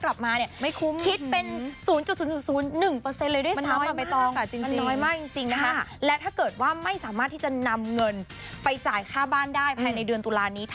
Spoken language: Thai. แล้วเงินเนี่ยที่เอาไปลงทุน๑๒๑๕ล้านบาท